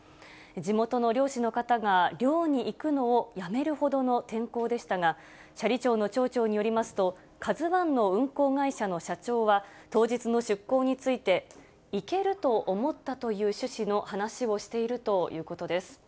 地元の漁師の方が漁に行くのをやめるほどの天候でしたが、斜里町の町長によりますと、カズワンの運航会社の社長は、当日の出航について、行けると思ったという趣旨の話をしているということです。